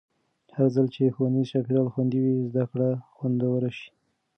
هرځل چې ښوونیز چاپېریال خوندي وي، زده کړه خوندوره شي.